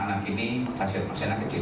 karena anak ini hasil masyarakat kecil